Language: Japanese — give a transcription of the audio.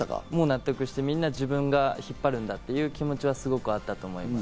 納得して自分が引っ張るんだという気持ちはすごくあったと思います。